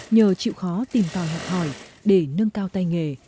nhờ chịu khó tìm tòi học hỏi để nâng cao tay nghề